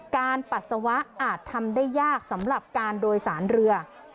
ปัสสาวะอาจทำได้ยากสำหรับการโดยสารเรือ